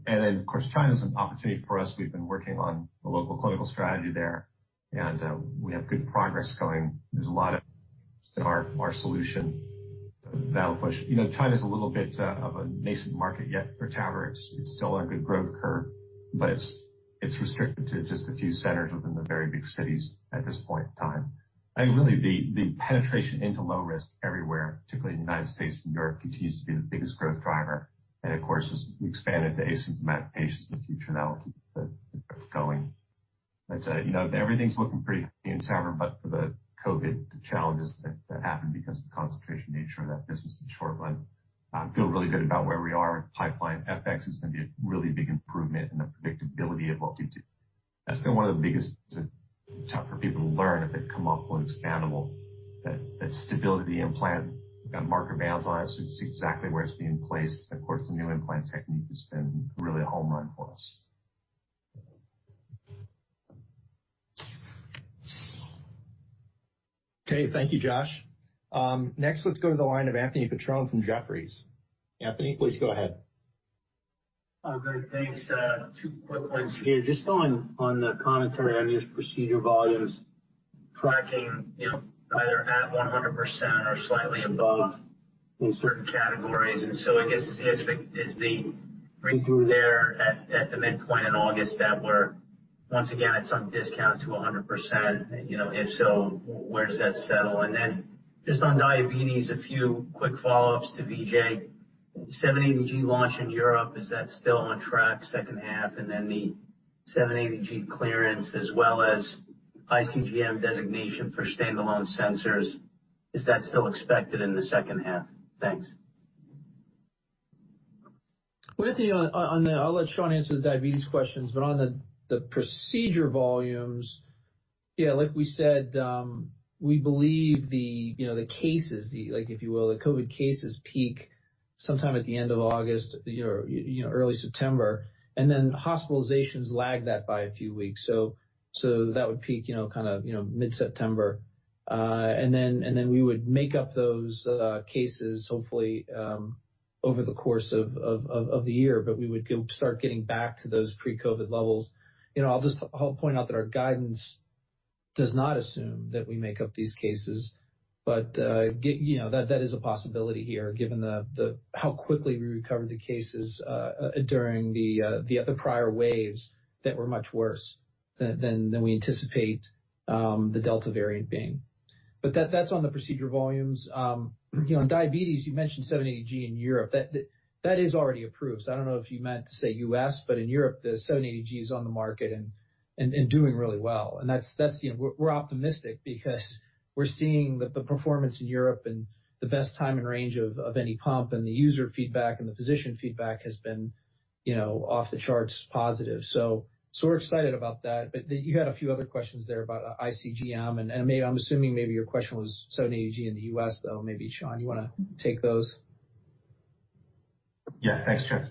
S10: Then, of course, China is an opportunity for us. We've been working on the local clinical strategy there, and we have good progress going. There's a lot of our solution that'll push. China is a little bit of a nascent market yet for TAVRs. It's still on a good growth curve, but it's restricted to just a few centers within the very big cities at this point in time. I think really the penetration into low risk everywhere, particularly in the U.S. and Europe, continues to be the biggest growth driver. Of course, as we expand into asymptomatic patients in the future, that will keep the growth going. Everything's looking pretty in TAVR, but for the COVID challenges that happened because of the concentration nature of that business in the short run. I feel really good about where we are with pipeline. FX is going to be a really big improvement in the predictability of what we do.
S2: That's been one of the biggest things that's been tough for people to learn if they've come up on expandable. That stability implant, we've got marker bands on it, so we can see exactly where it's being placed. Of course, the new implant technique has been really a home run for us.
S1: Okay. Thank you, Josh. Next, let's go to the line of Anthony Petrone from Jefferies. Anthony, please go ahead.
S15: Great. Thanks. Two quick ones here. Just on the commentary on your procedure volumes tracking, either at 100% or slightly above in certain categories. I guess, is the breakthrough there at the midpoint in August that we're once again at some discount to 100%? If so, where does that settle? Just on diabetes, a few quick follow-ups to Vijay. MiniMed 780G launch in Europe, is that still on track second half? The MiniMed 780G clearance as well as Integrated Continuous Glucose Monitor designation for standalone sensors, is that still expected in the second half? Thanks.
S2: Well, Anthony, I'll let Sean answer the diabetes questions on the procedure volumes. Yeah, like we said, we believe the cases, if you will, the COVID cases peak sometime at the end of August, early September, hospitalizations lag that by a few weeks. That would peak mid-September. We would make up those cases, hopefully, over the course of the year, we would start getting back to those pre-COVID levels. I'll point out that our guidance does not assume that we make up these cases. That is a possibility here given how quickly we recovered the cases during the prior waves that were much worse than we anticipate the Delta variant being. That's on the procedure volumes. On diabetes, you mentioned 780G in Europe. That is already approved. I don't know if you meant to say U.S., but in Europe, the 780G is on the market and doing really well. We're optimistic because we're seeing the performance in Europe and the best time and range of any pump, and the user feedback and the physician feedback has been off-the-charts positive. We're excited about that. You had a few other questions there about iCGM, and I'm assuming maybe your question was 780G in the U.S., though. Maybe, Sean, you want to take those?
S10: Yeah. Thanks, Geoff.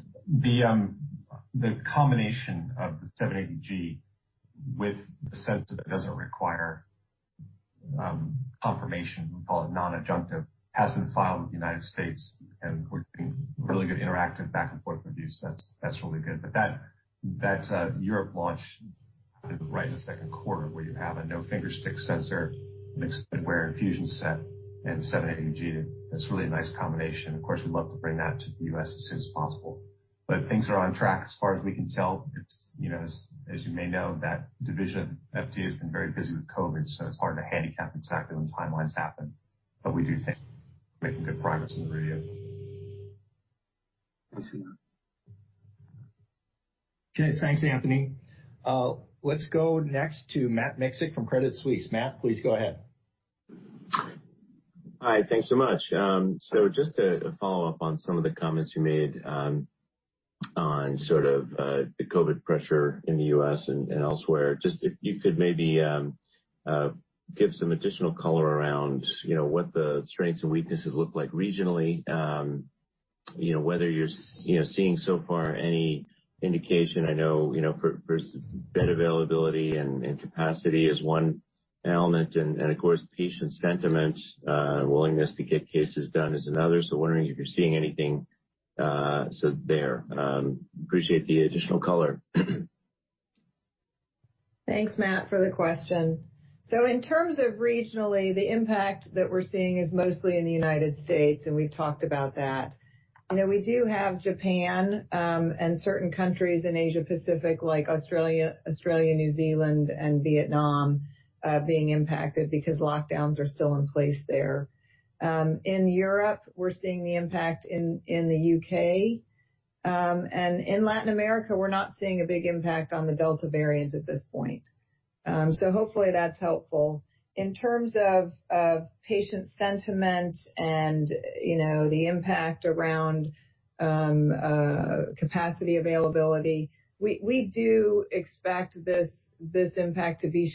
S10: The combination of the 780G with the sensor that doesn't require confirmation, we call it non-adjunctive, has been filed with the U.S., and we're getting really good interactive back and forth reviews. That's really good. That Europe launch right in the second quarter where you have a no finger stick sensor mixed with wear infusion set and 780G, that's really a nice combination. Of course, we'd love to bring that to the U.S. as soon as possible. Things are on track as far as we can tell. As you may know, that division, FDA, has been very busy with COVID, so it's hard to handicap exactly when timelines happen. We do think we're making good progress in the review.
S1: Okay. Thanks, Anthony. Let's go next to Matt Miksic from Credit Suisse. Matt, please go ahead.
S16: Hi. Thanks so much. Just a follow-up on some of the comments you made on sort of the COVID pressure in the U.S. and elsewhere. Just if you could maybe give some additional color around what the strengths and weaknesses look like regionally. Whether you're seeing so far any indication, I know, for bed availability and capacity is one element and of course, patient sentiment, willingness to get cases done is another. Wondering if you're seeing anything there. Appreciate the additional color.
S3: Thanks, Matt, for the question. In terms of regionally, the impact that we're seeing is mostly in the United States, and we've talked about that. We do have Japan and certain countries in Asia-Pacific, like Australia, New Zealand, and Vietnam being impacted because lockdowns are still in place there. In Europe, we're seeing the impact in the U.K. In Latin America, we're not seeing a big impact on the Delta variant at this point. Hopefully, that's helpful. In terms of patient sentiment and the impact around capacity availability, we do expect this impact to be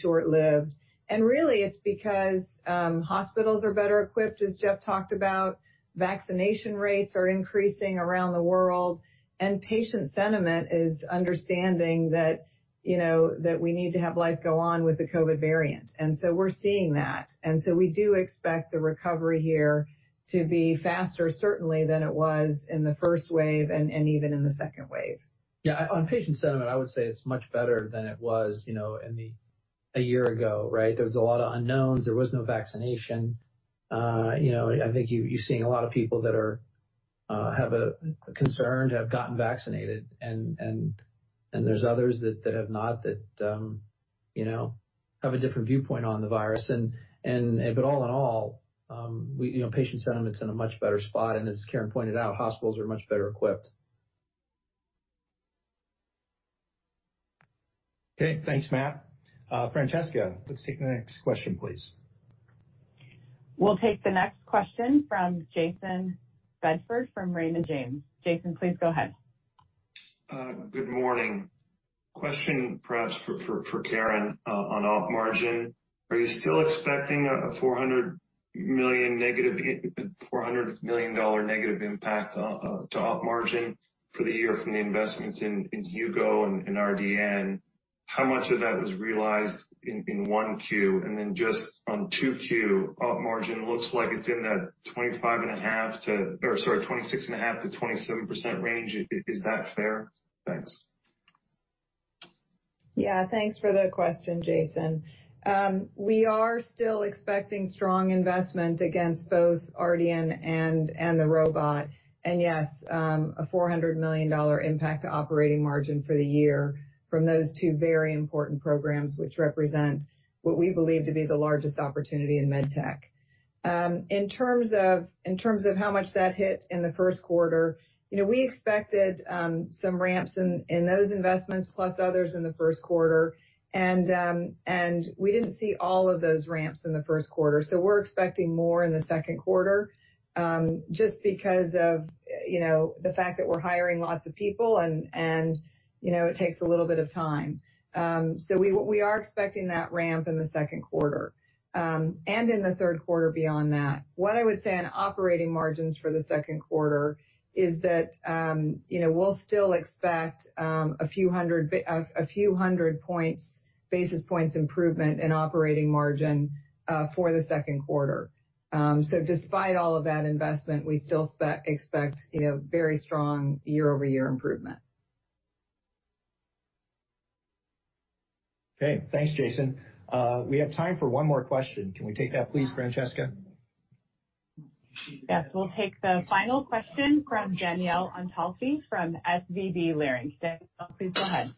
S3: short-lived. Really, it's because hospitals are better equipped, as Geoff talked about. Vaccination rates are increasing around the world, and patient sentiment is understanding that we need to have life go on with the COVID variant. We're seeing that. We do expect the recovery here to be faster certainly than it was in the first wave and even in the second wave.
S2: Yeah. On patient sentiment, I would say it's much better than it was a year ago, right? There was a lot of unknowns. There was no vaccination. I think you're seeing a lot of people that have a concern, have gotten vaccinated, and there's others that have not, that have a different viewpoint on the virus. All in all, patient sentiment's in a much better spot, and as Karen pointed out, hospitals are much better equipped.
S1: Okay. Thanks, Matt. Francesca, let's take the next question, please.
S6: We'll take the next question from Jayson Bedford from Raymond James. Jayson, please go ahead.
S17: Good morning. Question, perhaps for Karen on op margin. Are you still expecting a $400 million negative impact to op margin for the year from the investments in Hugo and in RDN? How much of that was realized in 1Q? Just on 2Q, operating margin looks like it's in that 26.5%-27% range. Is that fair? Thanks.
S3: Yeah. Thanks for the question, Jayson. We are still expecting strong investment against both RDN and the robot. Yes, a $400 million impact to operating margin for the year from those two very important programs, which represent what we believe to be the largest opportunity in med tech. In terms of how much that hit in the first quarter, we expected some ramps in those investments plus others in the first quarter. We didn't see all of those ramps in the first quarter. We're expecting more in the second quarter, just because of the fact that we're hiring lots of people and it takes a little bit of time. We are expecting that ramp in the second quarter. In the third quarter beyond that. What I would say on operating margins for the second quarter is that we'll still expect a few 100 basis points improvement in operating margin for the second quarter. Despite all of that investment, we still expect very strong year-over-year improvement.
S1: Okay. Thanks, Jayson. We have time for one more question. Can we take that, please, Francesca?
S6: Yes. We'll take the final question from Danielle Antalffy from Leerink Partners. Danielle, please go ahead.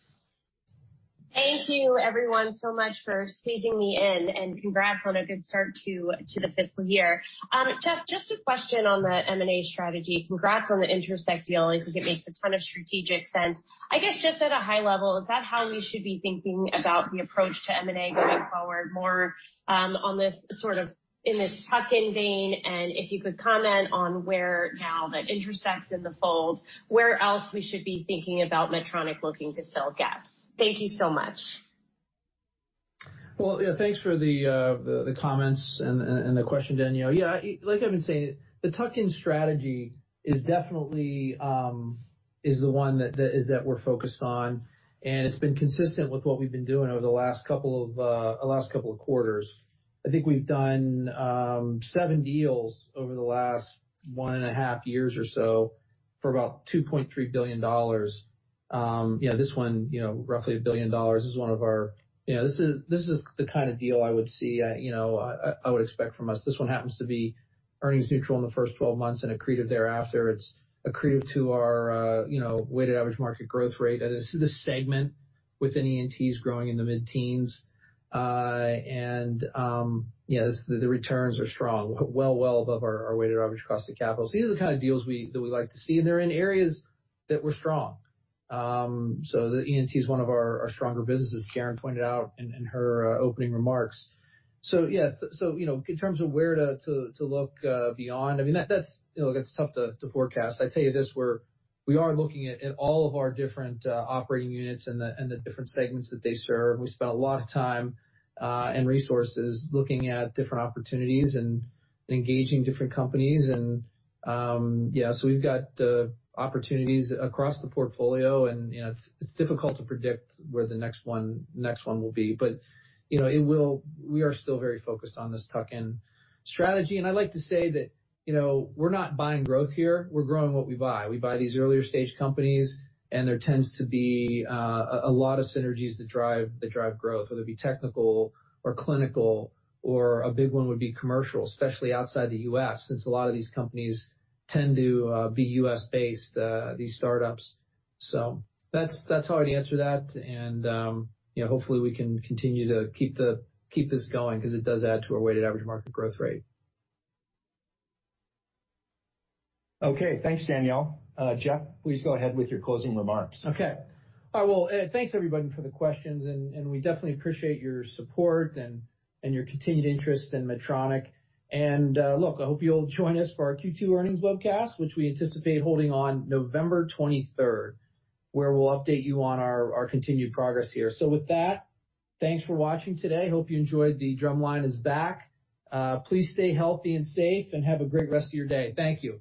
S18: Thank you everyone so much for squeezing me in. Congrats on a good start to the fiscal year. Geoff, just a question on the M&A strategy. Congrats on the Intersect deal. I think it makes a ton of strategic sense. I guess, just at a high level, is that how we should be thinking about the approach to M&A going forward more in this tuck-in vein? If you could comment on where now that Intersect's in the fold, where else we should be thinking about Medtronic looking to fill gaps? Thank you so much.
S2: Well, yeah. Thanks for the comments and the question, Danielle. Yeah. Like I've been saying, the tuck-in strategy is definitely the one that we're focused on, and it's been consistent with what we've been doing over the last couple of quarters. I think we've done seven deals over the last 1.5 years or so for about $2.3 billion. This one, roughly $1 billion. This is the kind of deal I would expect from us. This one happens to be earnings neutral in the first 12 months and accretive thereafter. It's accretive to our weighted average market growth rate. This segment within ENT is growing in the mid-teens. Yes, the returns are strong. Well above our weighted average cost of capital. These are the kind of deals that we like to see, and they're in areas that we're strong. The ENT is one of our stronger businesses, Karen pointed out in her opening remarks. Yeah. In terms of where to look beyond, that's tough to forecast. I tell you this, we are looking at all of our different operating units and the different segments that they serve. We spent a lot of time and resources looking at different opportunities and engaging different companies, and so we've got opportunities across the portfolio, and it's difficult to predict where the next one will be. We are still very focused on this tuck-in strategy, and I'd like to say that we're not buying growth here. We're growing what we buy. We buy these earlier-stage companies. There tends to be a lot of synergies that drive growth, whether it be technical or clinical or a big one would be commercial, especially outside the U.S., since a lot of these companies tend to be U.S.-based, these startups. That's how I'd answer that. Hopefully, we can continue to keep this going because it does add to our weighted average market growth rate.
S1: Okay. Thanks, Danielle. Geoff, please go ahead with your closing remarks.
S2: Okay. Well, thanks, everybody, for the questions. We definitely appreciate your support and your continued interest in Medtronic. Look, I hope you'll join us for our Q2 earnings webcast, which we anticipate holding on November 23rd, where we'll update you on our continued progress here. With that, thanks for watching today. Hope you enjoyed the "Drumline is Back." Please stay healthy and safe, and have a great rest of your day. Thank you.